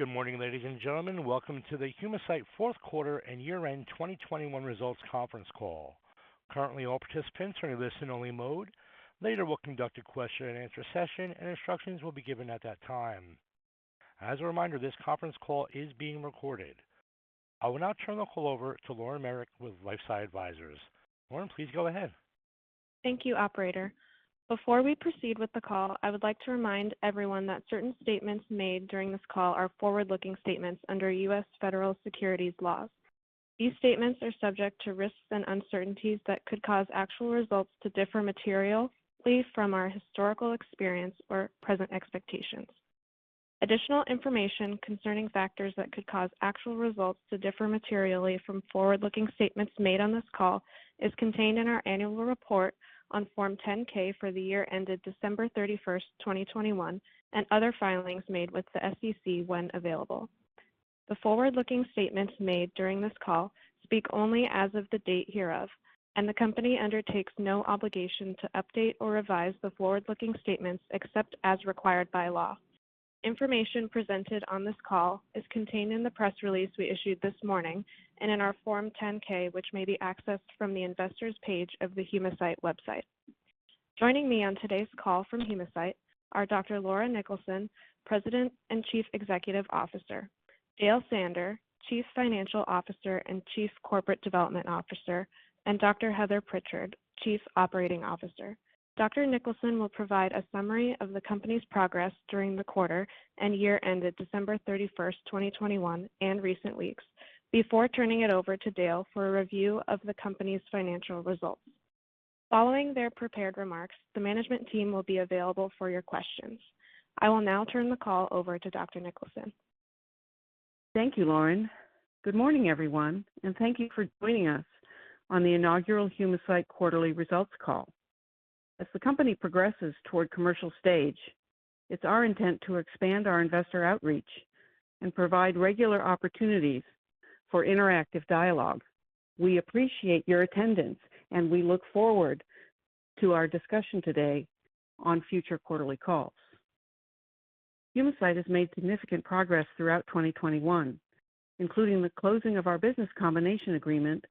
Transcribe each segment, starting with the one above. Good morning, ladies and gentlemen. Welcome to the Humacyte Q4 and Year-End 2021 Results Conference Call. Currently, all participants are in listen only mode. Later, we'll conduct a question-and-answer session, and instructions will be given at that time. As a reminder, this conference call is being recorded. I will now turn the call over to Lauren Marek with LifeSci Advisors. Lauren, please go ahead. Thank you, operator. Before we proceed with the call, I would like to remind everyone that certain statements made during this call are forward-looking statements under U.S. Federal Securities laws. These statements are subject to risks and uncertainties that could cause actual results to differ materially from our historical experience or present expectations. Additional information concerning factors that could cause actual results to differ materially from forward-looking statements made on this call is contained in our annual report on Form 10-K for the year ended December 31, 2021 and other filings made with the SEC when available. The forward-looking statements made during this call speak only as of the date hereof, and the company undertakes no obligation to update or revise the forward-looking statements except as required by law. Information presented on this call is contained in the press release we issued this morning and in our Form 10-K, which may be accessed from the Investors page of the Humacyte website. Joining me on today's call from Humacyte are Dr. Laura Niklason, President and Chief Executive Officer; Dale Sander, Chief Financial Officer and Chief Corporate Development Officer; and Dr. Heather Prichard, Chief Operating Officer. Dr. Niklason will provide a summary of the company's progress during the quarter and year ended December 31, 2021, and recent weeks before turning it over to Dale for a review of the company's financial results. Following their prepared remarks, the management team will be available for your questions. I will now turn the call over to Dr. Niklason. Thank you, Lauren. Good morning, everyone, and thank you for joining us on the inaugural Humacyte quarterly results call. As the company progresses toward commercial stage, it's our intent to expand our investor outreach and provide regular opportunities for interactive dialogue. We appreciate your attendance, and we look forward to our discussion today on future quarterly calls. Humacyte has made significant progress throughout 2021, including the closing of our business combination agreement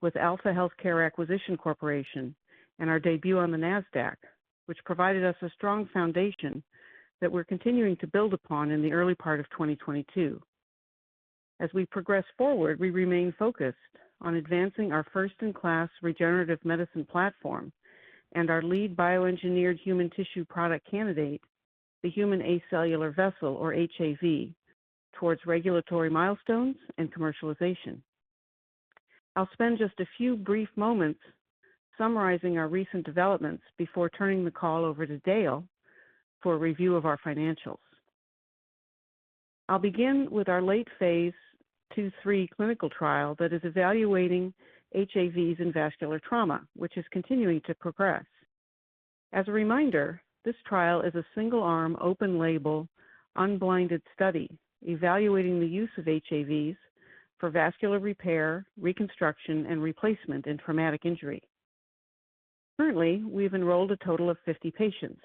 with Alpha Healthcare Acquisition Corporation and our debut on the Nasdaq, which provided us a strong foundation that we're continuing to build upon in the early part of 2022. As we progress forward, we remain focused on advancing our first-in-class regenerative medicine platform and our lead bioengineered human tissue product candidate, the Human Acellular Vessel, or HAV, towards regulatory milestones and commercialization. I'll spend just a few brief moments summarizing our recent developments before turning the call over to Dale for a review of our financials. I'll begin with our late phase II/III clinical trial that is evaluating HAVs in vascular trauma, which is continuing to progress. As a reminder, this trial is a single-arm, open-label, unblinded study evaluating the use of HAVs for vascular repair, reconstruction, and replacement in traumatic injury. Currently, we've enrolled a total of 50 patients,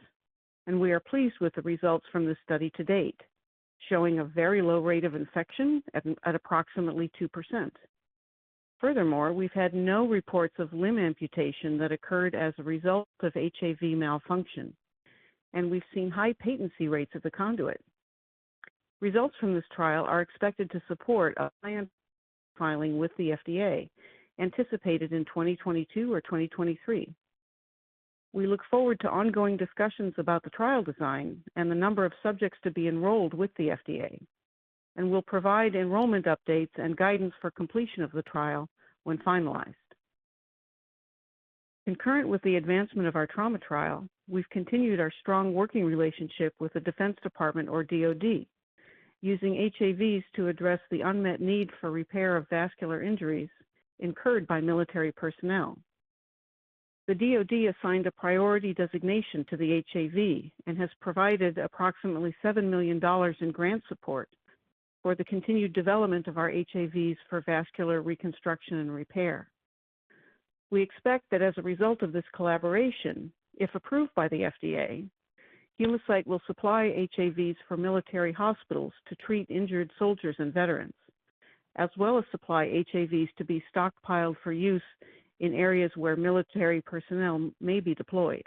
and we are pleased with the results from this study to date, showing a very low rate of infection at approximately 2%. Furthermore, we've had no reports of limb amputation that occurred as a result of HAV malfunction, and we've seen high patency rates of the conduit. Results from this trial are expected to support a planned filing with the FDA anticipated in 2022 or 2023. We look forward to ongoing discussions about the trial design and the number of subjects to be enrolled with the FDA, and we'll provide enrollment updates and guidance for completion of the trial when finalized. Concurrent with the advancement of our trauma trial, we've continued our strong working relationship with the Defense Department or DoD, using HAVs to address the unmet need for repair of vascular injuries incurred by military personnel. The DoD assigned a priority designation to the HAV and has provided approximately $7 million in grant support for the continued development of our HAVs for vascular reconstruction and repair. We expect that as a result of this collaboration, if approved by the FDA, Humacyte will supply HAVs for military hospitals to treat injured soldiers and veterans, as well as supply HAVs to be stockpiled for use in areas where military personnel may be deployed.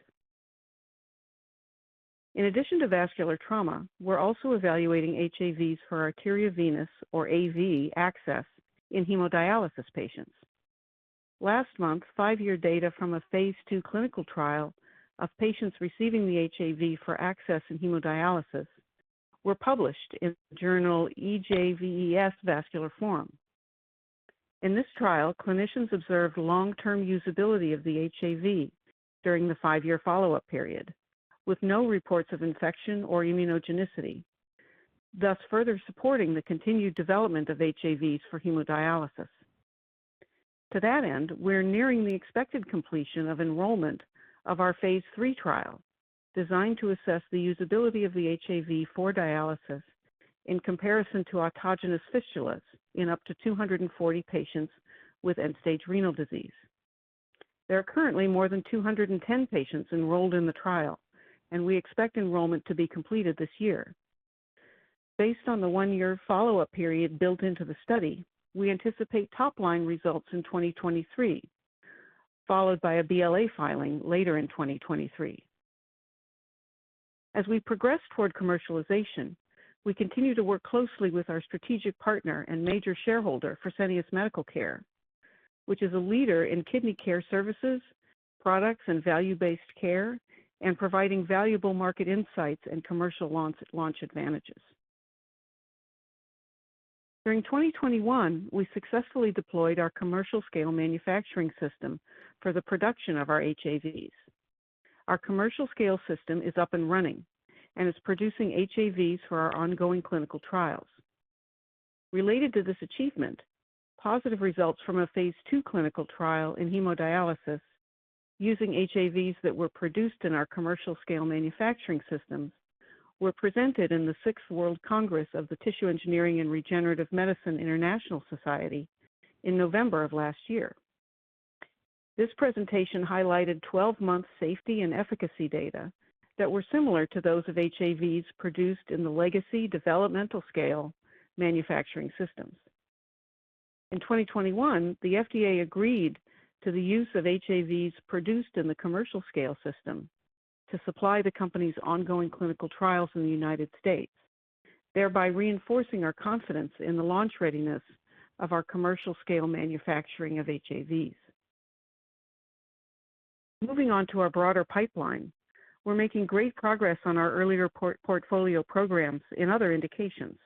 In addition to vascular trauma, we're also evaluating HAVs for arteriovenous or AV access in hemodialysis patients. Last month, five-year data from a phase II clinical trial of patients receiving the HAV for access in hemodialysis were published in the journal EJVES Vascular Forum. In this trial, clinicians observed long-term usability of the HAV during the five-year follow-up period with no reports of infection or immunogenicity, thus further supporting the continued development of HAVs for hemodialysis. To that end, we're nearing the expected completion of enrollment of our phase III trial designed to assess the usability of the HAV for dialysis in comparison to autogenous fistulas in up to 240 patients with end-stage renal disease. There are currently more than 210 patients enrolled in the trial, and we expect enrollment to be completed this year. Based on the one-year follow-up period built into the study, we anticipate top-line results in 2023, followed by a BLA filing later in 2023. As we progress toward commercialization, we continue to work closely with our strategic partner and major shareholder of Fresenius Medical Care, which is a leader in kidney care services, products, and value-based care, and providing valuable market insights and commercial launch advantages. During 2021, we successfully deployed our commercial scale manufacturing system for the production of our HAVs. Our commercial scale system is up and running and is producing HAVs for our ongoing clinical trials. Related to this achievement, positive results from a phase II clinical trial in hemodialysis using HAVs that were produced in our commercial scale manufacturing systems were presented in the sixth World Congress of the Tissue Engineering and Regenerative Medicine International Society in November of last year. This presentation highlighted 12-month safety and efficacy data that were similar to those of HAVs produced in the legacy developmental scale manufacturing systems. In 2021, the FDA agreed to the use of HAVs produced in the commercial scale system to supply the company's ongoing clinical trials in the United States, thereby reinforcing our confidence in the launch readiness of our commercial scale manufacturing of HAVs. Moving on to our broader pipeline, we're making great progress on our earlier portfolio programs in other indications.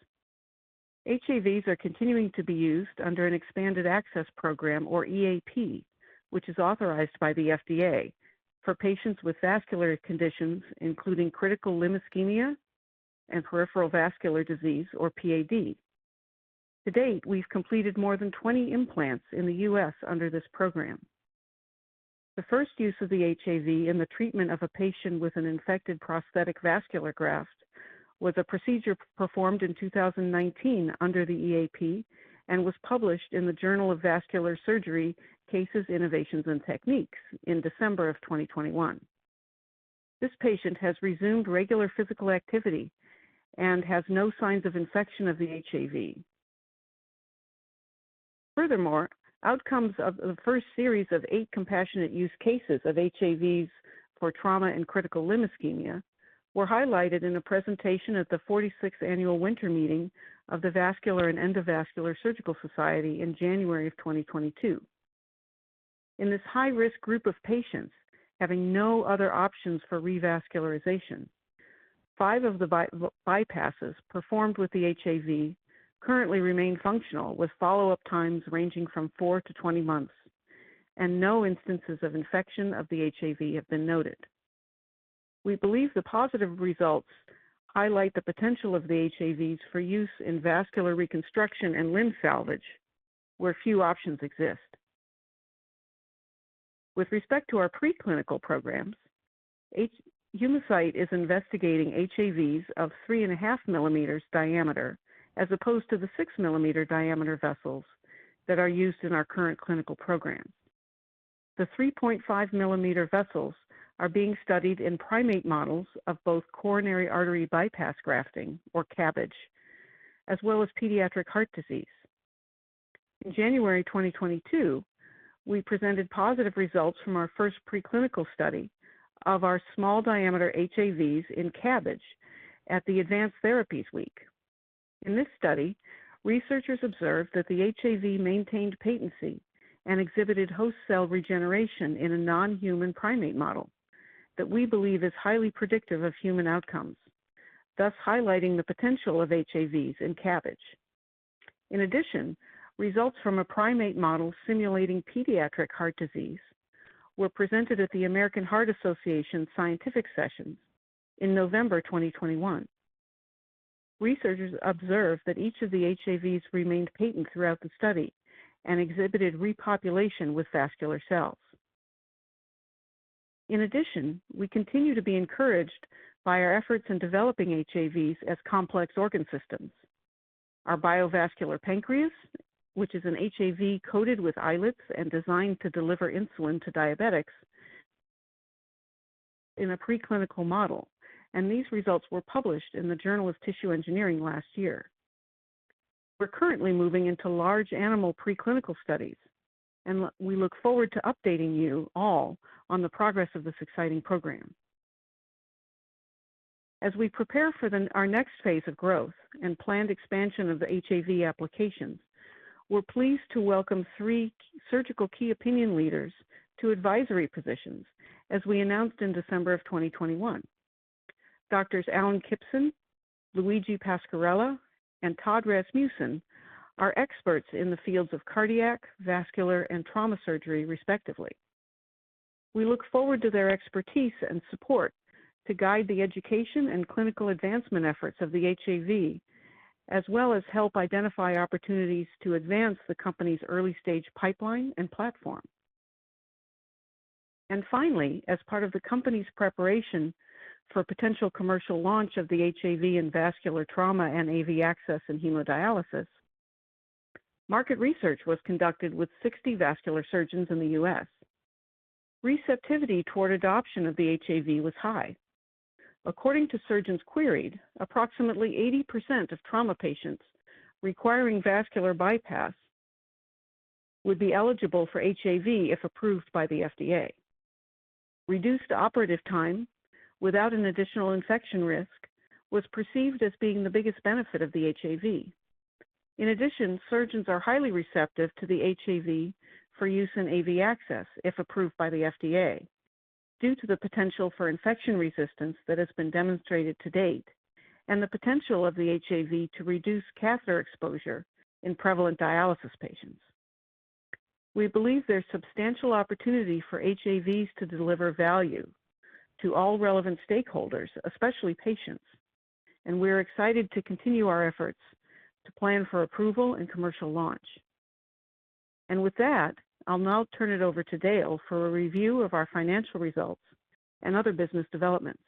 HAVs are continuing to be used under an expanded access program, or EAP, which is authorized by the FDA for patients with vascular conditions, including critical limb ischemia and peripheral vascular disease, or PAD. To date, we've completed more than 20 implants in the U.S. under this program. The first use of the HAV in the treatment of a patient with an infected prosthetic vascular graft was a procedure performed in 2019 under the EAP and was published in the Journal of Vascular Surgery Cases, Innovations and Techniques in December 2021. This patient has resumed regular physical activity and has no signs of infection of the HAV. Furthermore, outcomes of the first series of eight compassionate use cases of HAVs for trauma and critical limb ischemia were highlighted in a presentation at the 46th annual winter meeting of the Vascular and Endovascular Surgical Society in January 2022. In this high-risk group of patients having no other options for revascularization, five of the bypasses performed with the HAV currently remain functional with follow-up times ranging from four to 20 months and no instances of infection of the HAV have been noted. We believe the positive results highlight the potential of the HAVs for use in vascular reconstruction and limb salvage where few options exist. With respect to our preclinical programs, Humacyte is investigating HAVs of 3.5 millimeters diameter as opposed to the six-millimeter diameter vessels that are used in our current clinical program. The 3.5 millimeter vessels are being studied in primate models of both coronary artery bypass grafting or CABG, as well as pediatric heart disease. In January 2022, we presented positive results from our first preclinical study of our small diameter HAVs in CABG at the Advanced Therapies Week. In this study, researchers observed that the HAV maintained patency and exhibited host cell regeneration in a non-human primate model that we believe is highly predictive of human outcomes, thus highlighting the potential of HAVs in CABG. In addition, results from a primate model simulating pediatric heart disease were presented at the American Heart Association Scientific Sessions in November 2021. Researchers observed that each of the HAVs remained patent throughout the study and exhibited repopulation with vascular cells. In addition, we continue to be encouraged by our efforts in developing HAVs as complex organ systems. Our BioVascular Pancreas, which is an HAV coated with islets and designed to deliver insulin to diabetics in a preclinical model, and these results were published in the Journal of Tissue Engineering last year. We're currently moving into large animal preclinical studies, and we look forward to updating you all on the progress of this exciting program. As we prepare for our next phase of growth and planned expansion of the HAV applications, we're pleased to welcome three key surgical key opinion leaders to advisory positions, as we announced in December 2021. Doctors Alan Kypson, Luigi Pascarella, and Todd Rasmussen are experts in the fields of cardiac, vascular, and trauma surgery, respectively. We look forward to their expertise and support to guide the education and clinical advancement efforts of the HAV, as well as help identify opportunities to advance the company's early-stage pipeline and platform. Finally, as part of the company's preparation for potential commercial launch of the HAV in vascular trauma and AV access in hemodialysis, market research was conducted with 60 vascular surgeons in the U.S. Receptivity toward adoption of the HAV was high. According to surgeons queried, approximately 80% of trauma patients requiring vascular bypass would be eligible for HAV if approved by the FDA. Reduced operative time without an additional infection risk was perceived as being the biggest benefit of the HAV. In addition, surgeons are highly receptive to the HAV for use in AV access if approved by the FDA due to the potential for infection resistance that has been demonstrated to date, and the potential of the HAV to reduce catheter exposure in prevalent dialysis patients. We believe there's substantial opportunity for HAVs to deliver value to all relevant stakeholders, especially patients, and we're excited to continue our efforts to plan for approval and commercial launch. With that, I'll now turn it over to Dale for a review of our financial results and other business developments.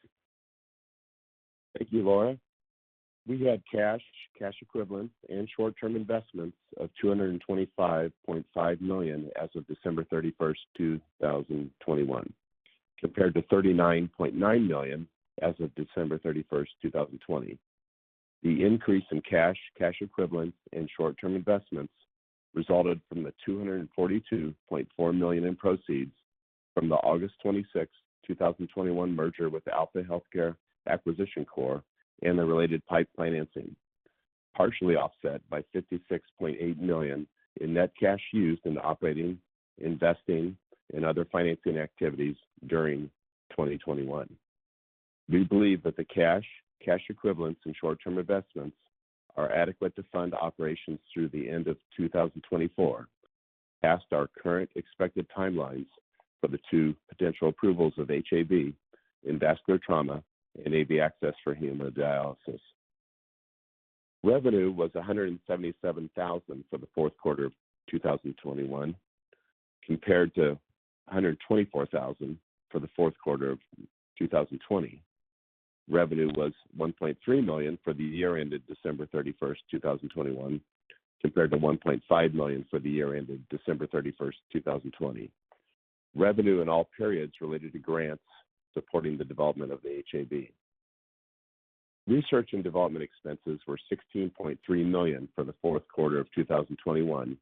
Thank you, Laura. We had cash equivalents, and short-term investments of $225.5 million as of December 31, 2021, compared to $39.9 million as of December 31, 2020. The increase in cash equivalents, and short-term investments resulted from the $242.4 million in proceeds from the August 26, 2021 merger with Alpha Healthcare Acquisition Corp. and the related pipe financing, partially offset by $56.8 million in net cash used in the operating, investing, and other financing activities during 2021. We believe that the cash equivalents, and short-term investments are adequate to fund operations through the end of 2024, past our current expected timelines for the two potential approvals of HAV in vascular trauma and AV access for hemodialysis. Revenue was $177 thousand for the fourth quarter of 2021 compared to $124 thousand for the fourth quarter of 2020. Revenue was $1.3 million for the year ended December 31, 2021, compared to $1.5 million for the year ended December 31, 2020. Revenue in all periods related to grants supporting the development of the HAV. Research and development expenses were $16.3 million for the fourth quarter of 2021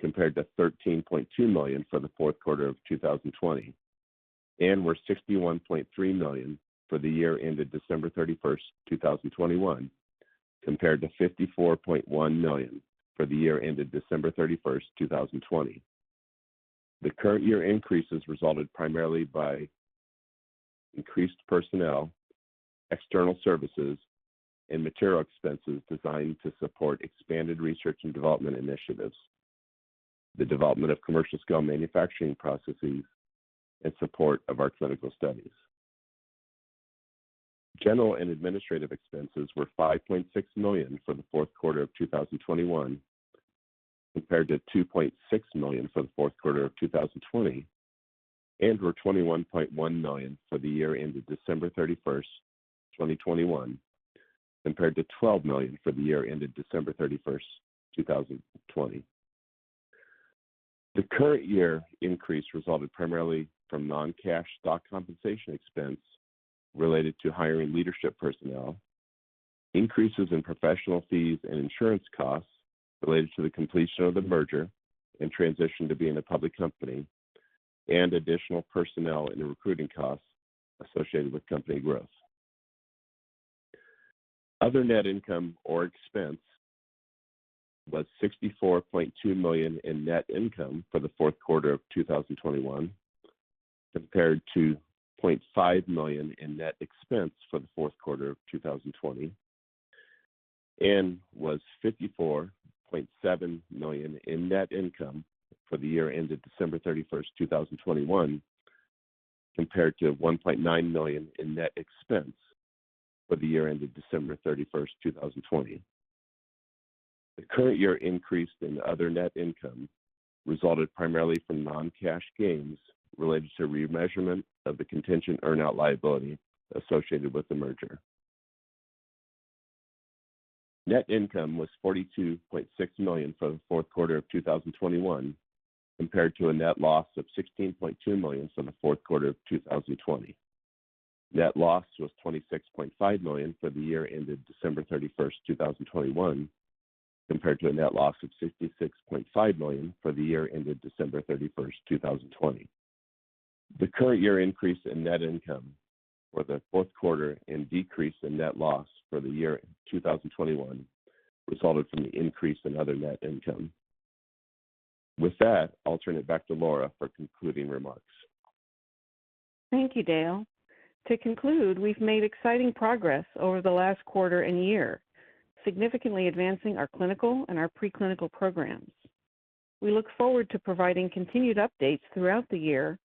compared to $13.2 million for the fourth quarter of 2020, and were $61.3 million for the year ended December 31, 2021, compared to $54.1 million for the year ended December 31, 2020. The current year increases resulted primarily from increased personnel, external services, and material expenses designed to support expanded research and development initiatives, the development of commercial scale manufacturing processes, and support of our clinical studies. General and administrative expenses were $5.6 million for the fourth quarter of 2021 compared to $2.6 million for the fourth quarter of 2020, and were $21.1 million for the year ended December 31, 2021, compared to $12 million for the year ended December 31, 2020. The current year increase resulted primarily from non-cash stock compensation expense related to hiring leadership personnel, increases in professional fees and insurance costs related to the completion of the merger and transition to being a public company, and additional personnel in the recruiting costs associated with company growth. Other net income or expense was $64.2 million in net income for the fourth quarter of 2021 compared to $0.5 million in net expense for the fourth quarter of 2020, and was $54.7 million in net income for the year ended December 31, 2021, compared to $1.9 million in net expense for the year ended December 31, 2020. The current year increase in other net income resulted primarily from non-cash gains related to remeasurement of the contingent earn-out liability associated with the merger. Net income was $42.6 million for the fourth quarter of 2021 compared to a net loss of $16.2 million for the fourth quarter of 2020. Net loss was $26.5 million for the year ended December 31, 2021, compared to a net loss of $66.5 million for the year ended December 31, 2020. The current year increase in net income for the fourth quarter and decrease in net loss for the year end 2021 resulted from the increase in other net income. With that, I'll turn it back to Laura for concluding remarks. Thank you, Dale. To conclude, we've made exciting progress over the last quarter and year, significantly advancing our clinical and our preclinical programs. We look forward to providing continued updates throughout the year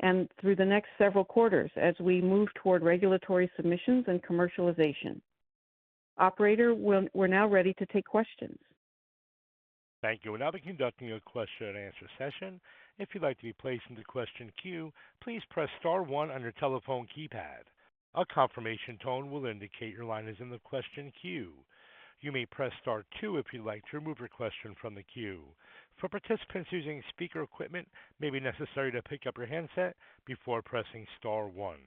and through the next several quarters as we move toward regulatory submissions and commercialization. Operator, we're now ready to take questions. Thank you. We'll now be conducting a question-and-answer session. If you'd like to be placed into the question queue, please press star one on your telephone keypad. A confirmation tone will indicate your line is in the question queue. You may press star two if you'd like to remove your question from the queue. For participants using speaker equipment, it may be necessary to pick up your handset before pressing star one.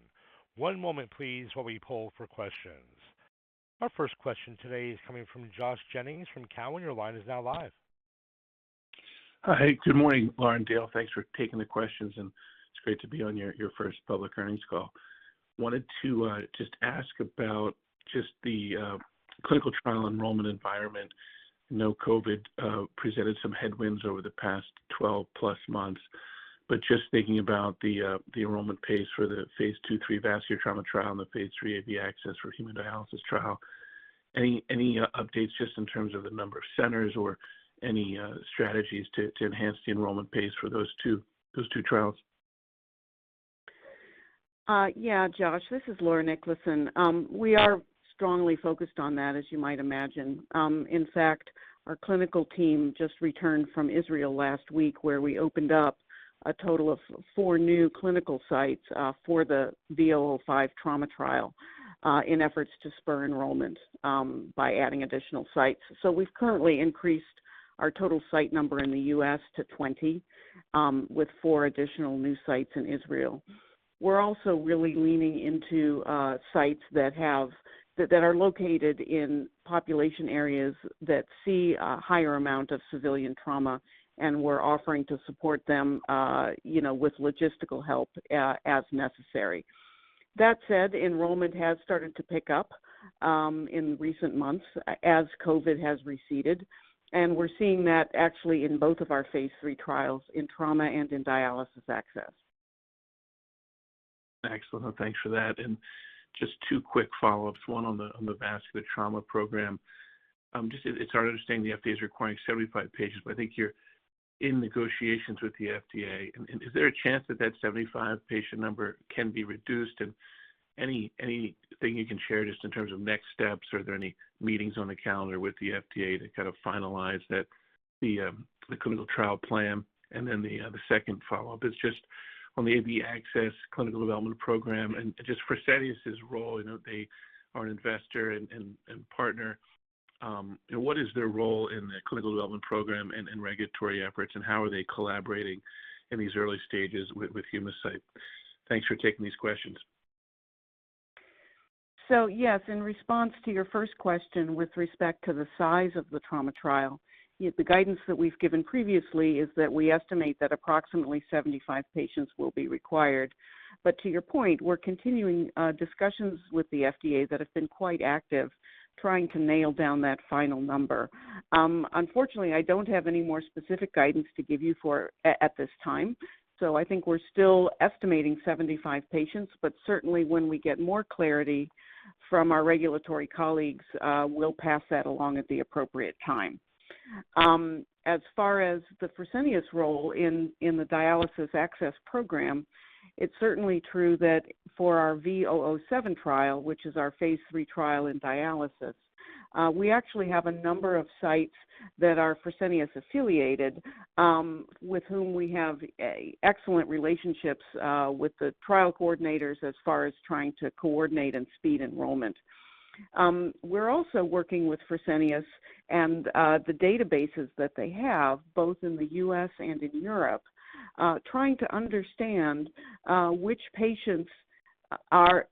One moment please while we poll for questions. Our first question today is coming from Josh Jennings from Cowen. Your line is now live. Hi. Good morning, Laura and Dale. Thanks for taking the questions, and it's great to be on your first public earnings call. Wanted to just ask about the clinical trial enrollment environment. I know COVID presented some headwinds over the past 12+ months but just thinking about the enrollment pace for the phase II/III vascular trauma trial and the phase III AV access for hemodialysis trial. Any updates just in terms of the number of centers or any strategies to enhance the enrollment pace for those two trials? Yeah, Josh. This is Laura Niklason. We are strongly focused on that, as you might imagine. In fact, our clinical team just returned from Israel last week, where we opened up a total of four new clinical sites for the V005 trauma trial in efforts to spur enrollment by adding additional sites. We've currently increased our total site number in the U.S. to 20 with four additional new sites in Israel. We're also really leaning into sites that are located in population areas that see a higher amount of civilian trauma, and we're offering to support them, you know, with logistical help as necessary. That said, enrollment has started to pick up in recent months as COVID has receded, and we're seeing that actually in both of our phase III trials in trauma and in dialysis access. Excellent. Thanks for that. Just two quick follow-ups, one on the vascular trauma program. Just it's our understanding the FDA is requiring 75 patients, but I think you're in negotiations with the FDA. Is there a chance that 75 patient number can be reduced? Anything you can share just in terms of next steps? Are there any meetings on the calendar with the FDA to kind of finalize that, the clinical trial plan? Then the second follow-up is just on the AV access clinical development program and just Fresenius' role. You know, they are an investor and partner. You know, what is their role in the clinical development program and regulatory efforts, and how are they collaborating in these early stages with Humacyte? Thanks for taking these questions. Yes, in response to your first question with respect to the size of the trauma trial, the guidance that we've given previously is that we estimate that approximately 75 patients will be required. To your point, we're continuing discussions with the FDA that have been quite active trying to nail down that final number. Unfortunately, I don't have any more specific guidance to give you at this time, so I think we're still estimating 75 patients. Certainly, when we get more clarity from our regulatory colleagues, we'll pass that along at the appropriate time. As far as the Fresenius role in the dialysis access program, it's certainly true that for our V007 trial, which is our phase III trial in dialysis, we actually have a number of sites that are Fresenius-affiliated, with whom we have excellent relationships with the trial coordinators as far as trying to coordinate and speed enrollment. We're also working with Fresenius and the databases that they have both in the U.S. and in Europe, trying to understand which patients are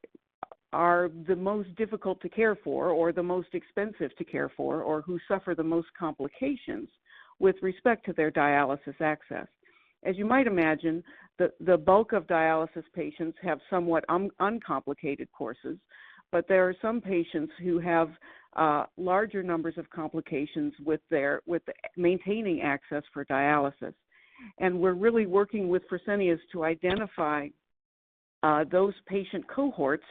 the most difficult to care for or the most expensive to care for or who suffer the most complications with respect to their dialysis access. As you might imagine, the bulk of dialysis patients have somewhat uncomplicated courses, but there are some patients who have larger numbers of complications with maintaining access for dialysis. We're really working with Fresenius to identify those patient cohorts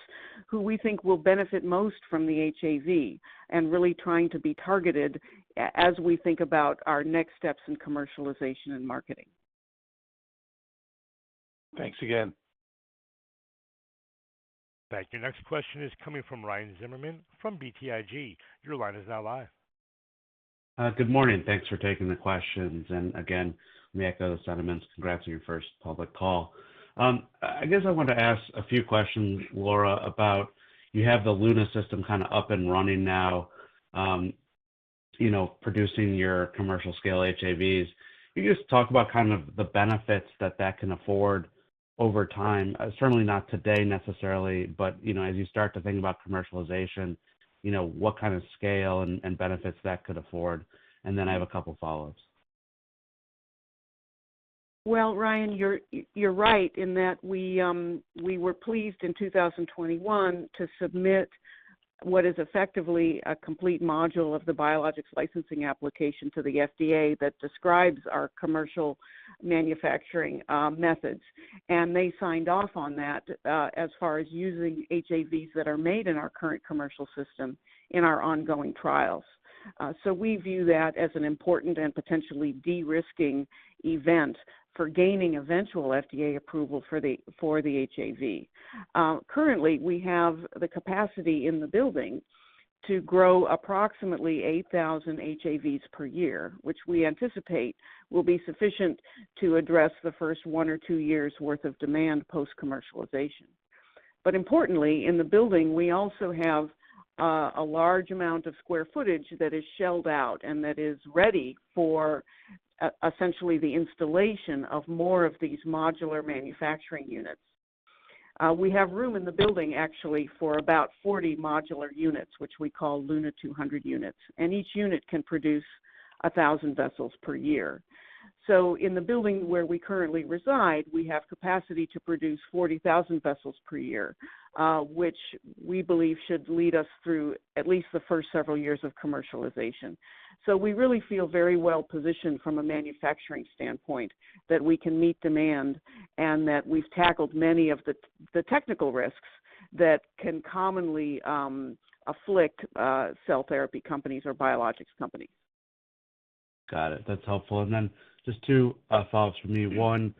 who we think will benefit most from the HAV and really trying to be targeted as we think about our next steps in commercialization and marketing. Thanks again. Thank you. Next question is coming from Ryan Zimmerman from BTIG. Your line is now live. Good morning. Thanks for taking the questions. Again, let me echo the sentiments. Congrats on your first public call. I guess I wanted to ask a few questions, Laura, about you have the LUNA system kind of up and running now, you know, producing your commercial scale HAVs. Can you just talk about kind of the benefits that that can afford over time? Certainly not today necessarily, but, you know, as you start to think about commercialization, you know, what kind of scale and benefits that could afford. Then I have a couple follow-ups. Well, Ryan, you're right in that we were pleased in 2021 to submit what is effectively a complete module of the biologics licensing application to the FDA that describes our commercial manufacturing methods. They signed off on that as far as using HAVs that are made in our current commercial system in our ongoing trials. We view that as an important and potentially de-risking event for gaining eventual FDA approval for the HAV. Currently, we have the capacity in the building to grow approximately 8,000 HAVs per year, which we anticipate will be sufficient to address the first one or two years' worth of demand post-commercialization. Importantly, in the building, we also have a large amount of square footage that is shelled out and that is ready for essentially the installation of more of these modular manufacturing units. We have room in the building, actually, for about 40 modular units, which we call LUNA 200 units. Each unit can produce 1,000 vessels per year. In the building where we currently reside, we have capacity to produce 40,000 vessels per year, which we believe should lead us through at least the first several years of commercialization. We really feel very well positioned from a manufacturing standpoint that we can meet demand and that we've tackled many of the technical risks that can commonly afflict cell therapy companies or biologics companies. Got it. That's helpful. Just two thoughts from me. One,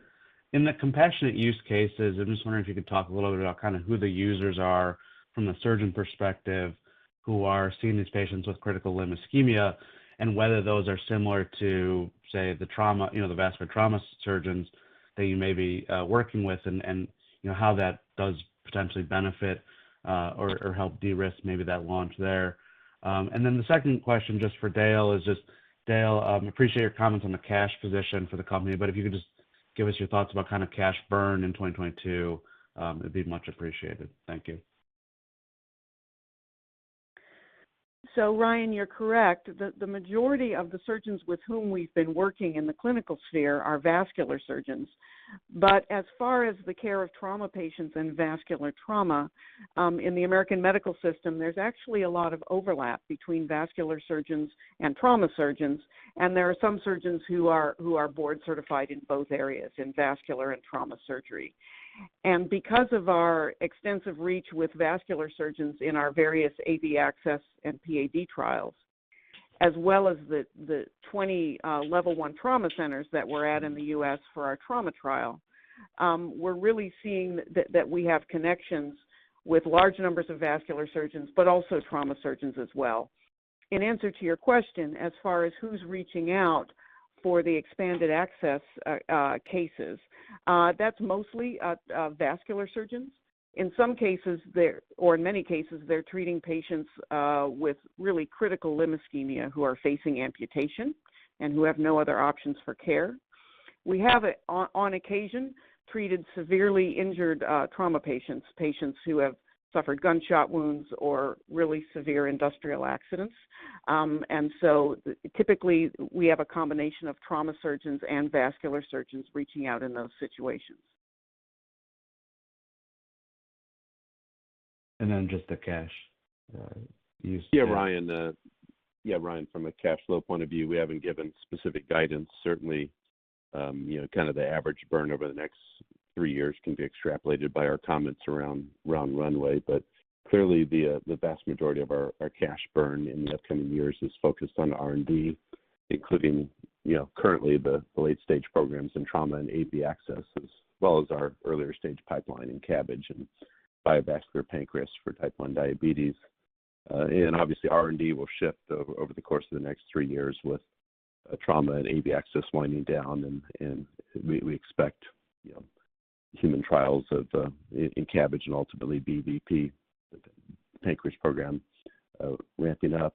in the compassionate use cases, I'm just wondering if you could talk a little bit about kind of who the users are from the surgeon perspective, who are seeing these patients with critical limb ischemia, and whether those are similar to, say, the trauma, you know, the vascular trauma surgeons that you may be working with and you know, how that does potentially benefit or help de-risk maybe that launch there. The second question, just for Dale, is just, Dale, appreciate your comments on the cash position for the company, but if you could just give us your thoughts about kind of cash burn in 2022, it'd be much appreciated. Thank you. Ryan, you're correct. The majority of the surgeons with whom we've been working in the clinical sphere are vascular surgeons. As far as the care of trauma patients and vascular trauma, in the American medical system, there's actually a lot of overlap between vascular surgeons and trauma surgeons, and there are some surgeons who are board-certified in both areas, in vascular and trauma surgery. Because of our extensive reach with vascular surgeons in our various AV access and PAD trials, as well as the 20 level one trauma centers that we're at in the U.S. for our trauma trial, we're really seeing that we have connections with large numbers of vascular surgeons, but also trauma surgeons as well. In answer to your question, as far as who's reaching out for the expanded access cases, that's mostly vascular surgeons. In some cases, or in many cases, they're treating patients with really critical limb ischemia who are facing amputation and who have no other options for care. We have, on occasion, treated severely injured trauma patients who have suffered gunshot wounds or really severe industrial accidents. Typically, we have a combination of trauma surgeons and vascular surgeons reaching out in those situations. Just the cash. Yeah, Ryan, from a cash flow point of view, we haven't given specific guidance. Certainly, kind of the average burn over the next three years can be extrapolated by our comments around runway. Clearly, the vast majority of our cash burn in the upcoming years is focused on R&D, including currently the late-stage programs in trauma and AV access, as well as our earlier stage pipeline in CABG and BioVascular Pancreas for Type 1 diabetes. Obviously R&D will shift over the course of the next three years with trauma and AV access winding down and we expect human trials in CABG and ultimately BVP pancreas program ramping up.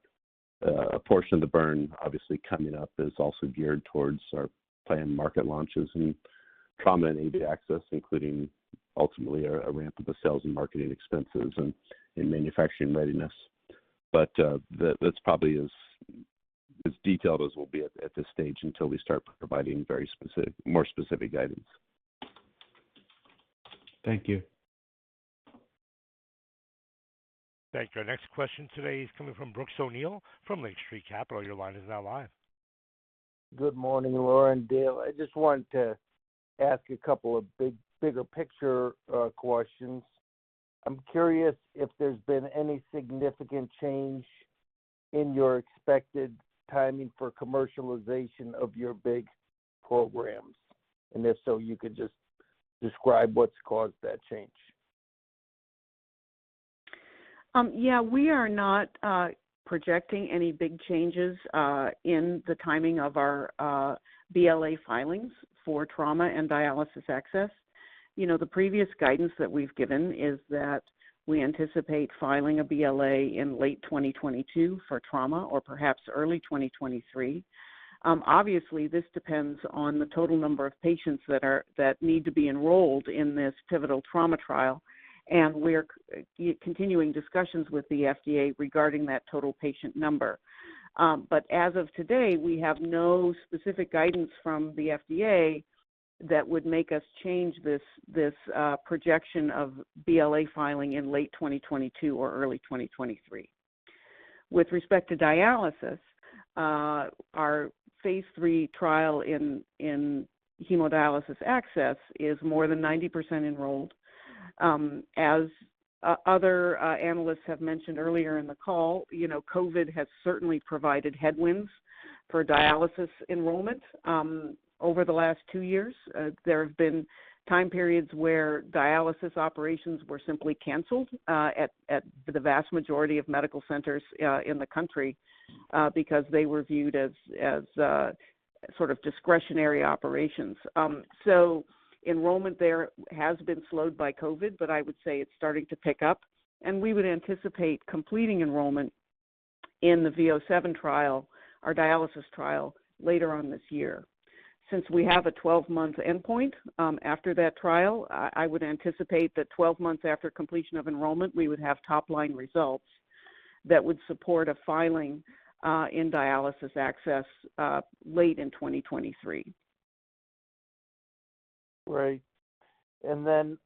A portion of the burn obviously coming up is also geared towards our planned market launches in trauma and AV access, including ultimately a ramp of the sales and marketing expenses and in manufacturing readiness. That's probably as detailed as we'll be at this stage until we start providing very specific, more specific guidance. Thank you. Thank you. Our next question today is coming from Brooks O'Neil from Lake Street Capital. Your line is now live. Good morning, Laura and Dale. I just wanted to ask a couple of big picture questions. I'm curious if there's been any significant change in your expected timing for commercialization of your big programs, and if so, you could just describe what's caused that change. Yeah, we are not projecting any big changes in the timing of our BLA filings for trauma and dialysis access. You know, the previous guidance that we've given is that we anticipate filing a BLA in late 2022 for trauma or perhaps early 2023. Obviously, this depends on the total number of patients that need to be enrolled in this pivotal trauma trial, and we're continuing discussions with the FDA regarding that total patient number. As of today, we have no specific guidance from the FDA that would make us change this projection of BLA filing in late 2022 or early 2023. With respect to dialysis, our phase III trial in hemodialysis access is more than 90% enrolled. As other analysts have mentioned earlier in the call, you know, COVID has certainly provided headwinds for dialysis enrollment over the last two years, there have been time periods where dialysis operations were simply canceled at the vast majority of medical centers in the country because they were viewed as sort of discretionary operations. Enrollment there has been slowed by COVID, but I would say it's starting to pick up, and we would anticipate completing enrollment in the V007 trial, our dialysis trial, later on this year. Since we have a 12-month endpoint after that trial, I would anticipate that 12 months after completion of enrollment, we would have top-line results that would support a filing in dialysis access late in 2023. Great. I'm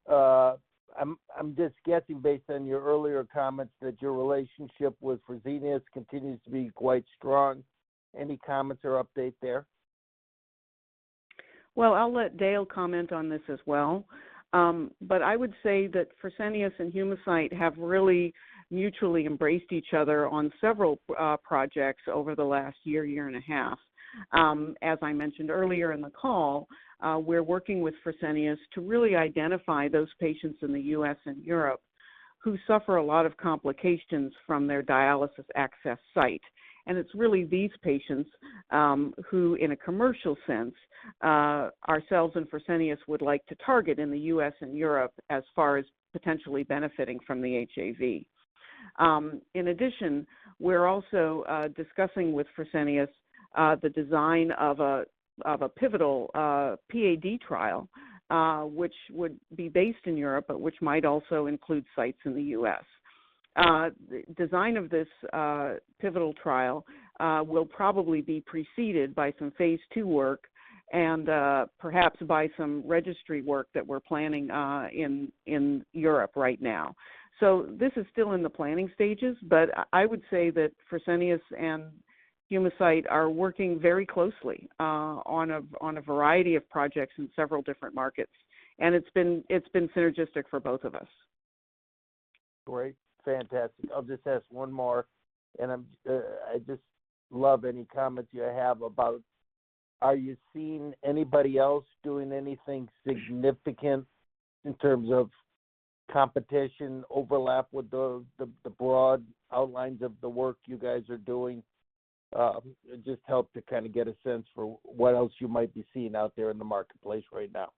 just guessing based on your earlier comments that your relationship with Fresenius continues to be quite strong. Any comments or update there? Well, I'll let Dale comment on this as well. I would say that Fresenius and Humacyte have really mutually embraced each other on several projects over the last year and a half. As I mentioned earlier in the call, we're working with Fresenius to really identify those patients in the U.S. and Europe who suffer a lot of complications from their dialysis access site. It's really these patients who in a commercial sense ourselves and Fresenius would like to target in the U.S. and Europe as far as potentially benefiting from the HAV. In addition, we're also discussing with Fresenius the design of a pivotal PAD trial which would be based in Europe, but which might also include sites in the U.S. Design of this pivotal trial will probably be preceded by some phase II work and perhaps by some registry work that we're planning in Europe right now. This is still in the planning stages, but I would say that Fresenius and Humacyte are working very closely on a variety of projects in several different markets. It's been synergistic for both of us. Great. Fantastic. I'll just ask one more, and I'm I just love any comments you have about are you seeing anybody else doing anything significant in terms of competition overlap with the broad outlines of the work you guys are doing? It just helps to kind of get a sense for what else you might be seeing out there in the marketplace right now.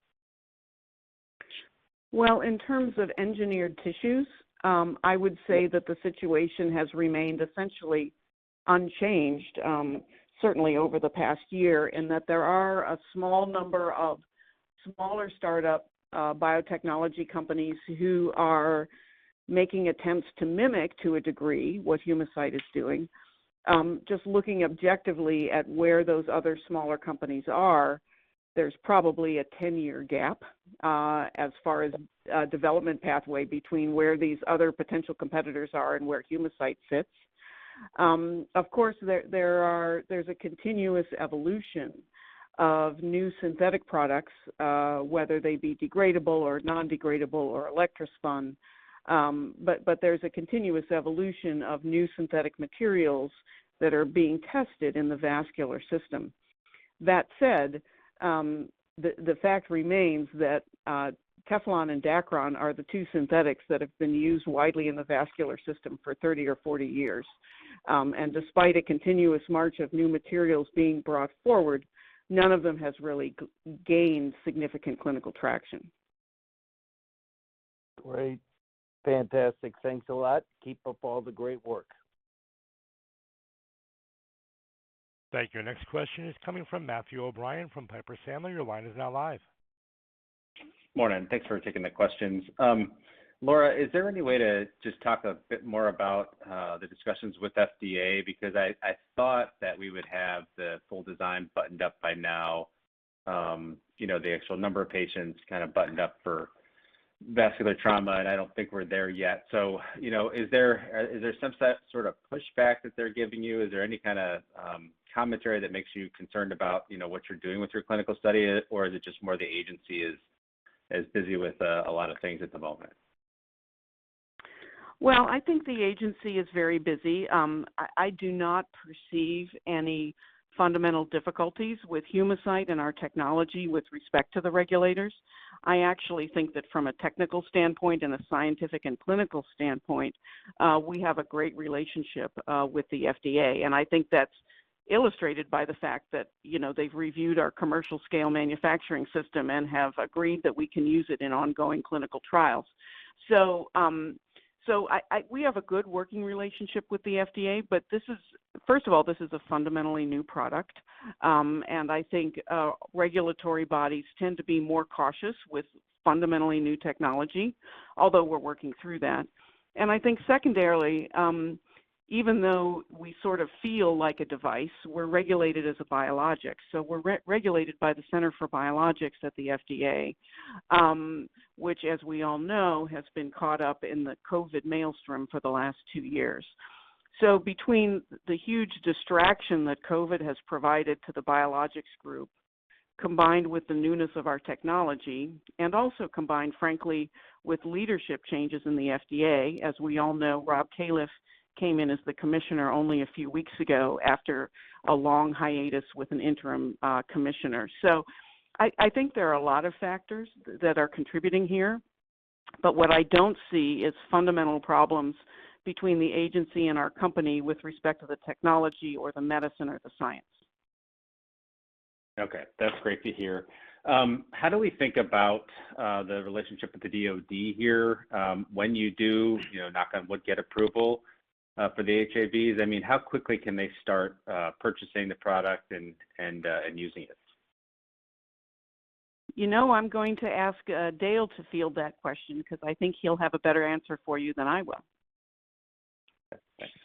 Well, in terms of engineered tissues, I would say that the situation has remained essentially unchanged, certainly over the past year, and that there are a small number of smaller startup biotechnology companies who are making attempts to mimic to a degree what Humacyte is doing. Just looking objectively at where those other smaller companies are, there's probably a 10-year gap, as far as development pathway between where these other potential competitors are and where Humacyte sits. Of course, there's a continuous evolution of new synthetic products, whether they be degradable or non-degradable or electrospun. But there's a continuous evolution of new synthetic materials that are being tested in the vascular system. That said, the fact remains that Teflon and Dacron are the two synthetics that have been used widely in the vascular system for 30 or 40 years. Despite a continuous march of new materials being brought forward, none of them has really gained significant clinical traction. Great. Fantastic. Thanks a lot. Keep up all the great work. Thank you. Next question is coming from Matthew O'Brien from Piper Sandler. Your line is now live. Morning. Thanks for taking the questions. Laura, is there any way to just talk a bit more about the discussions with FDA? Because I thought that we would have the full design buttoned up by now, you know, the actual number of patients kind of buttoned up for vascular trauma, and I don't think we're there yet. You know, is there some sort of pushback that they're giving you? Is there any kind of commentary that makes you concerned about, you know, what you're doing with your clinical study, or is it just more the agency is busy with a lot of things at the moment? Well, I think the agency is very busy. I do not perceive any fundamental difficulties with Humacyte and our technology with respect to the regulators. I actually think that from a technical standpoint and a scientific and clinical standpoint, we have a great relationship with the FDA. I think that's illustrated by the fact that, you know, they've reviewed our commercial scale manufacturing system and have agreed that we can use it in ongoing clinical trials. We have a good working relationship with the FDA, but first of all, this is a fundamentally new product. I think regulatory bodies tend to be more cautious with fundamentally new technology, although we're working through that. I think secondarily, even though we sort of feel like a device, we're regulated as a biologic. We're re-regulated by the Center for Biologics at the FDA, which as we all know, has been caught up in the COVID maelstrom for the last two years. Between the huge distraction that COVID has provided to the biologics group, combined with the newness of our technology and also combined frankly with leadership changes in the FDA. As we all know, Rob Califf came in as the commissioner only a few weeks ago after a long hiatus with an interim commissioner. I think there are a lot of factors that are contributing here, but what I don't see is fundamental problems between the agency and our company with respect to the technology or the medicine or the science. Okay, that's great to hear. How do we think about the relationship with the DoD here, when you do, you know, knock on wood, get approval for the HAVs? I mean, how quickly can they start purchasing the product and using it? You know, I'm going to ask Dale to field that question because I think he'll have a better answer for you than I will.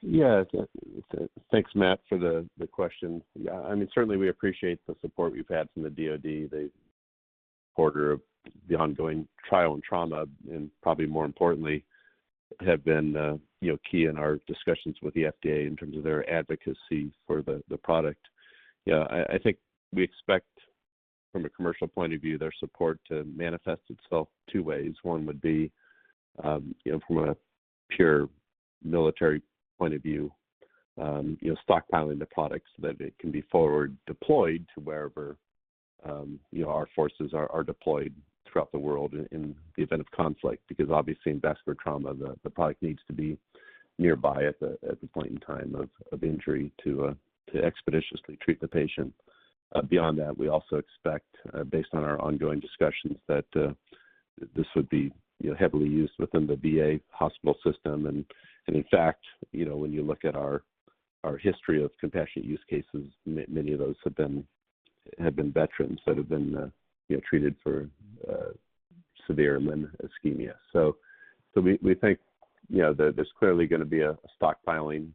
Yeah. Thanks, Matt, for the question. Yeah, I mean, certainly we appreciate the support we've had from the DoD. They ordered the ongoing trial in trauma, and probably more importantly, have been, you know, key in our discussions with the FDA in terms of their advocacy for the product. Yeah, I think we expect from a commercial point of view their support to manifest itself two ways. One would be, you know, from a pure military point of view, you know, stockpiling the products so that it can be forward deployed to wherever, you know, our forces are deployed throughout the world in the event of conflict, because obviously in vascular trauma the product needs to be nearby at the point in time of injury to expeditiously treat the patient. Beyond that, we also expect, based on our ongoing discussions that, this would be, you know, heavily used within the VA hospital system. In fact, you know, when you look at our history of compassionate use cases, many of those have been veterans that have been, you know, treated for severe limb ischemia. We think, you know, there's clearly gonna be a stockpiling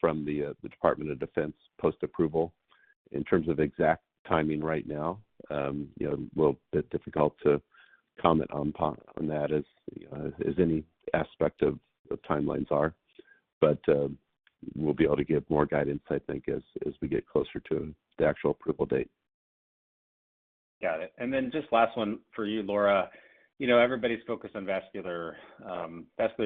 from the Department of Defense post-approval. In terms of exact timing right now, you know, a little bit difficult to comment on that as any aspect of timelines are. We'll be able to give more guidance, I think, as we get closer to the actual approval date. Got it. Just last one for you, Laura. You know, everybody's focused on vascular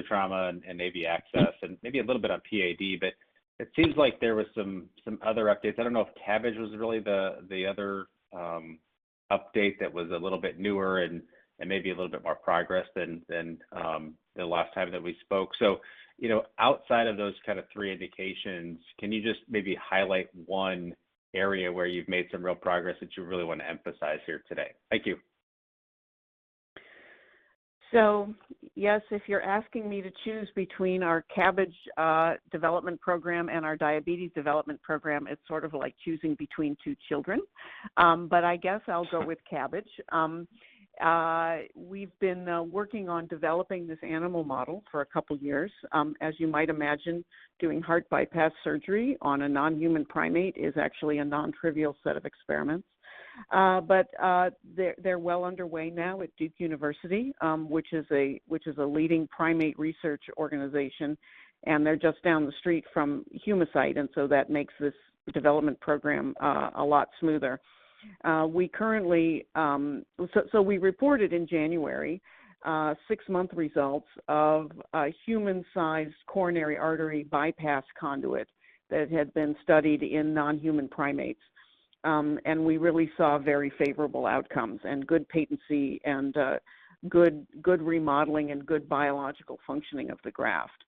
trauma and AV access and maybe a little bit on PAD, but it seems like there was some other updates. I don't know if CABG was really the other update that was a little bit newer and maybe a little bit more progress than the last time that we spoke. You know, outside of those kind of three indications, can you just maybe highlight one area where you've made some real progress that you really want to emphasize here today? Thank you. Yes, if you're asking me to choose between our CABG development program and our diabetes development program, it's sort of like choosing between two children. I guess I'll go with CABG. We've been working on developing this animal model for a couple years. As you might imagine, doing heart bypass surgery on a non-human primate is actually a non-trivial set of experiments. They're well underway now at Duke University, which is a leading primate research organization, and they're just down the street from Humacyte, and so that makes this development program a lot smoother. We reported in January six-month results of a human-sized coronary artery bypass conduit that had been studied in non-human primates. We really saw very favorable outcomes and good patency and good remodeling and good biological functioning of the graft.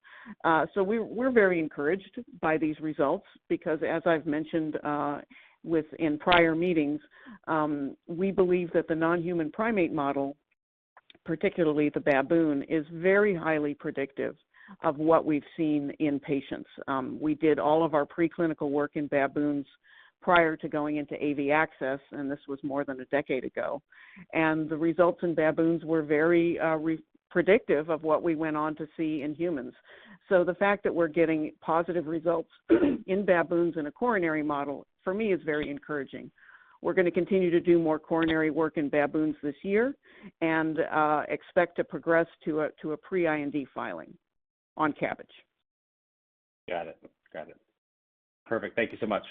We're very encouraged by these results because, as I've mentioned, in prior meetings, we believe that the non-human primate model, particularly the baboon, is very highly predictive of what we've seen in patients. We did all of our preclinical work in baboons prior to going into AV access, and this was more than a decade ago. The results in baboons were very predictive of what we went on to see in humans. The fact that we're getting positive results in baboons in a coronary model, for me, is very encouraging. We're gonna continue to do more coronary work in baboons this year and expect to progress to a pre-IND filing on CABG. Got it. Perfect. Thank you so much.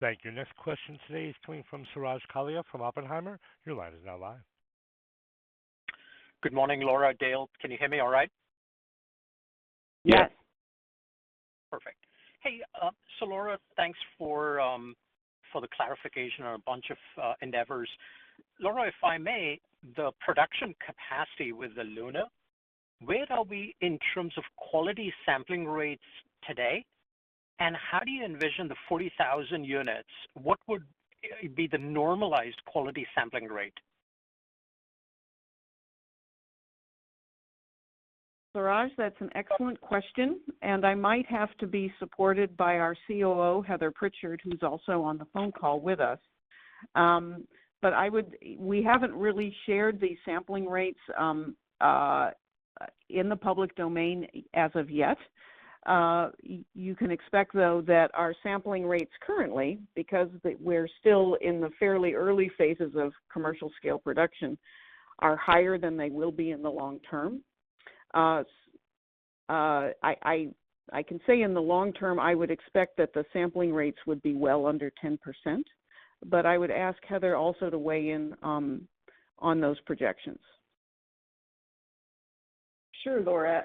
Thank you. Next question today is coming from Suraj Kalia from Oppenheimer. Your line is now live. Good morning, Laura, Dale. Can you hear me all right? Yes. Yes. Perfect. Hey, so Laura, thanks for the clarification on a bunch of endeavors. Laura, if I may, the production capacity with the LUNA, where are we in terms of quality sampling rates today? And how do you envision the 40,000 units? What would be the normalized quality sampling rate? Suraj, that's an excellent question, and I might have to be supported by our COO, Heather Pritchard, who's also on the phone call with us. We haven't really shared the sampling rates in the public domain as of yet. You can expect, though, that our sampling rates currently, because we're still in the fairly early phases of commercial scale production, are higher than they will be in the long term. I can say in the long term, I would expect that the sampling rates would be well under 10%. I would ask Heather also to weigh in on those projections. Sure, Laura.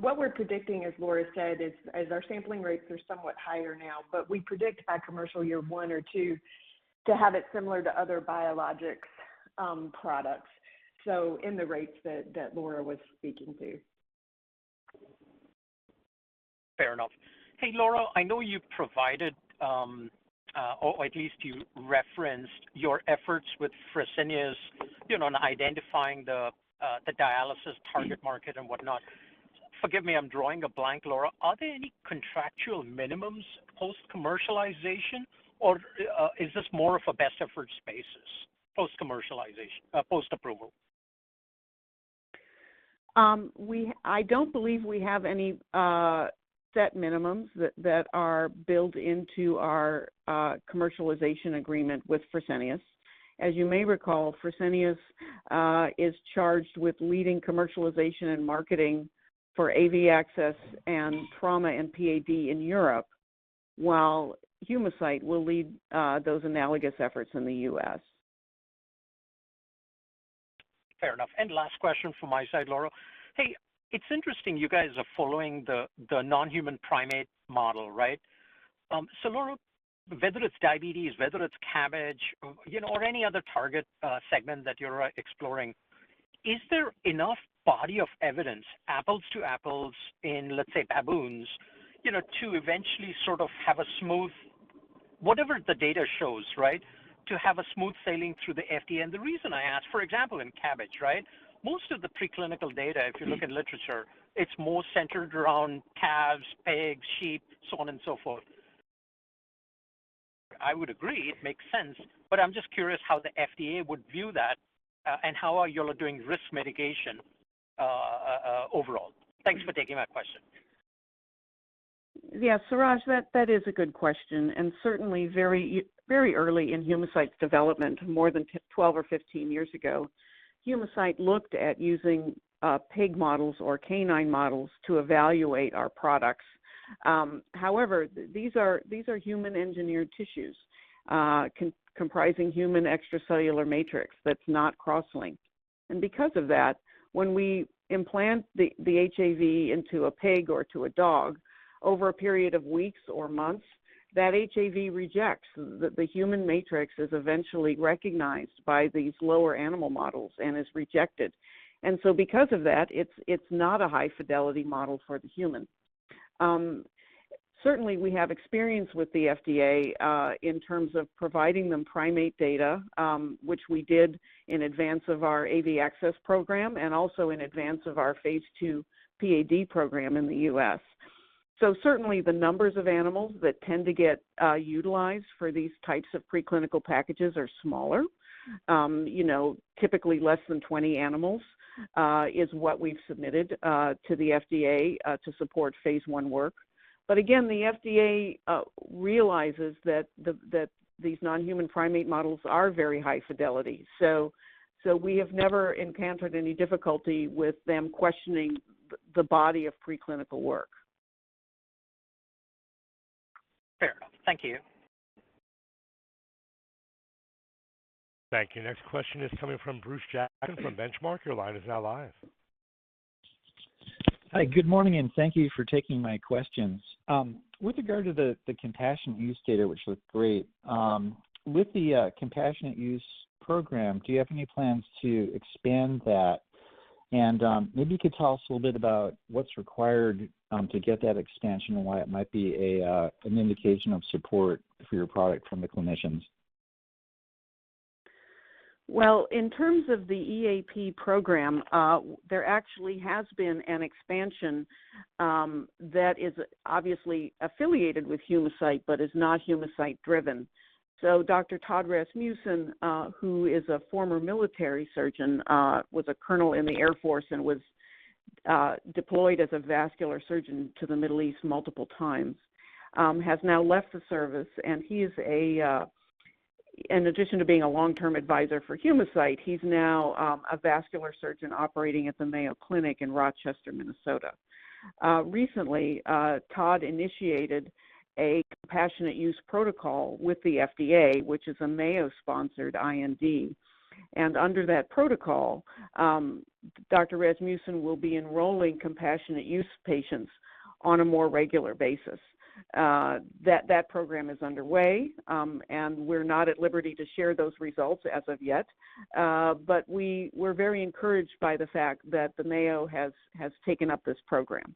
What we're predicting, as Laura said, is our sampling rates are somewhat higher now, but we predict by commercial year one or two to have it similar to other biologics products. In the rates that Laura was speaking to. Fair enough. Hey, Laura, I know you've provided or at least you referenced your efforts with Fresenius, you know, in identifying the dialysis target market and whatnot. Forgive me, I'm drawing a blank, Laura. Are there any contractual minimums post-commercialization, or is this more of a best effort basis, post-commercialization or post-approval? I don't believe we have any set minimums that are built into our commercialization agreement with Fresenius. As you may recall, Fresenius is charged with leading commercialization and marketing for AV access and trauma and PAD in Europe, while Humacyte will lead those analogous efforts in the U.S. Fair enough. Last question from my side, Laura. Hey, it's interesting you guys are following the non-human primate model, right? So Laura, whether it's diabetes, whether it's CABG, you know, or any other target segment that you're exploring, is there enough body of evidence, apples to apples in, let's say, baboons, you know, to eventually sort of have a smooth whatever the data shows, right, to have a smooth sailing through the FDA? The reason I ask, for example, in CABG, right? Most of the preclinical data If you look at literature, it's more centered around calves, pigs, sheep, so on and so forth. I would agree, it makes sense, but I'm just curious how the FDA would view that, and how are you doing risk mitigation, overall? Thanks for taking my question. Yeah, Suraj, that is a good question, and certainly very early in Humacyte's development, more than 12 or 15 years ago, Humacyte looked at using pig models or canine models to evaluate our products. However, these are human-engineered tissues comprising human extracellular matrix that's not cross-linked. Because of that, when we implant the HAV into a pig or a dog, over a period of weeks or months, that HAV rejects. The human matrix is eventually recognized by these lower animal models and is rejected. Because of that, it's not a high-fidelity model for the human. Certainly we have experience with the FDA in terms of providing them primate data, which we did in advance of our AV Access program and also in advance of our phase II PAD program in the U.S. Certainly, the numbers of animals that tend to get utilized for these types of preclinical packages are smaller. You know, typically less than 20 animals is what we've submitted to the FDA to support phase I work. But again, the FDA realizes that these non-human primate models are very high fidelity. We have never encountered any difficulty with them questioning the body of preclinical work. Fair enough. Thank you. Thank you. Next question is coming from Bruce Jackson from Benchmark. Your line is now live. Hi, good morning, and thank you for taking my questions. With regard to the compassionate use data, which looked great, with the compassionate use program, do you have any plans to expand that? Maybe you could tell us a little bit about what's required to get that expansion and why it might be an indication of support for your product from the clinicians? Well, in terms of the EAP program, there actually has been an expansion, that is obviously affiliated with Humacyte, but is not Humacyte-driven. Dr. Todd Rasmussen, who is a former military surgeon, was a colonel in the Air Force and was deployed as a vascular surgeon to the Middle East multiple times, has now left the service, and he's a, in addition to being a long-term advisor for Humacyte, he's now a vascular surgeon operating at the Mayo Clinic in Rochester, Minnesota. Recently, Todd initiated a compassionate use protocol with the FDA, which is a Mayo-sponsored IND. Under that protocol, Dr. Rasmussen will be enrolling compassionate use patients on a more regular basis. That program is underway, and we're not at liberty to share those results as of yet. We're very encouraged by the fact that the Mayo has taken up this program.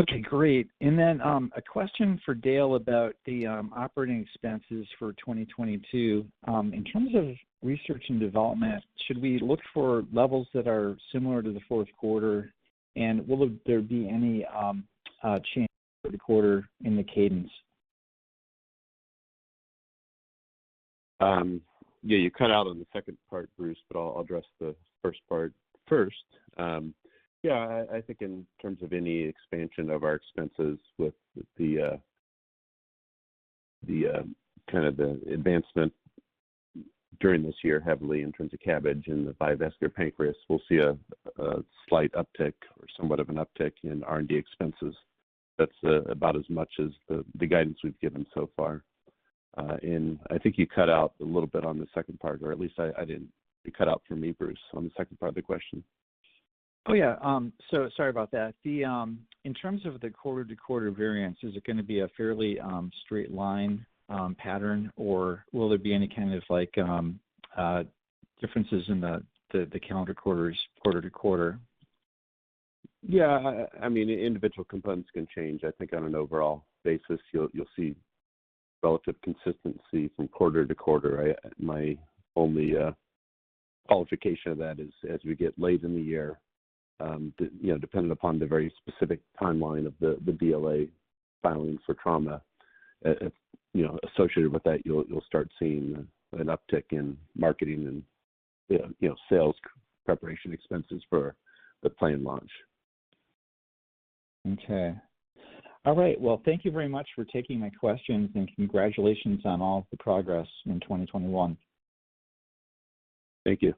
Okay, great. A question for Dale about the operating expenses for 2022. In terms of research and development, should we look for levels that are similar to the fourth quarter? Will there be any change for the quarter in the cadence? Yeah, you cut out on the second part, Bruce, but I'll address the first part first. Yeah, I think in terms of any expansion of our expenses with the, the kind of advancement during this year heavily in terms of CABG and the BioVascular Pancreas, we'll see a slight uptick or somewhat of an uptick in R&D expenses. That's about as much as the guidance we've given so far. I think you cut out a little bit on the second part, or at least I didn't. You cut out for me, Bruce, on the second part of the question. Oh, yeah. So sorry about that. In terms of the quarter-to-quarter variance, is it gonna be a fairly straight line pattern, or will there be any kind of like differences in the calendar quarters, quarter to quarter? Yeah, I mean, individual components can change. I think on an overall basis, you'll see relative consistency from quarter to quarter. My only qualification of that is as we get later in the year, you know, depending upon the very specific timeline of the BLA filing for trauma, you know, associated with that, you'll start seeing an uptick in marketing and sales preparation expenses for the planned launch. Okay. All right. Well, thank you very much for taking my questions, and congratulations on all of the progress in 2021. Thank you.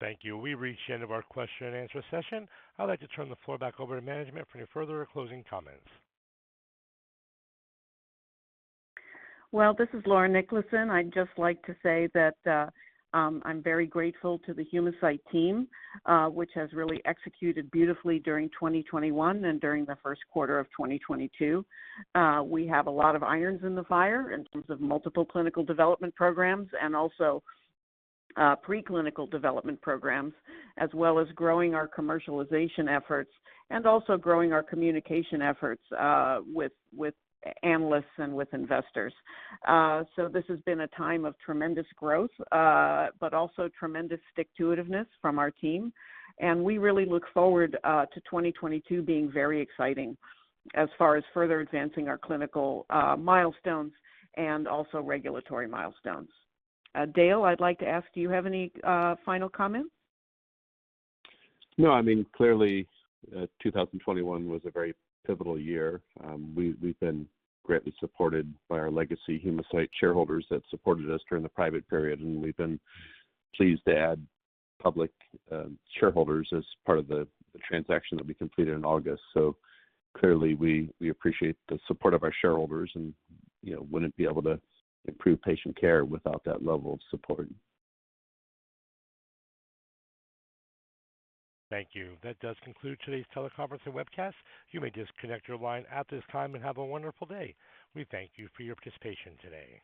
Thank you. We've reached the end of our question and answer session. I'd like to turn the floor back over to management for any further closing comments. Well, this is Laura Niklason. I'd just like to say that I'm very grateful to the Humacyte team, which has really executed beautifully during 2021 and during the first quarter of 2022. We have a lot of irons in the fire in terms of multiple clinical development programs and also preclinical development programs, as well as growing our commercialization efforts and also growing our communication efforts with analysts and with investors. So, this has been a time of tremendous growth, but also tremendous stick-to-it-iveness from our team. We really look forward to 2022 being very exciting as far as further advancing our clinical milestones and also regulatory milestones. Dale, I'd like to ask, do you have any final comments? No. I mean, clearly, 2021 was a very pivotal year. We've been greatly supported by our legacy Humacyte shareholders that supported us during the private period, and we've been pleased to add public shareholders as part of the transaction that we completed in August. Clearly, we appreciate the support of our shareholders and, you know, wouldn't be able to improve patient care without that level of support. Thank you. That does conclude today's teleconference and webcast. You may disconnect your line at this time and have a wonderful day. We thank you for your participation today.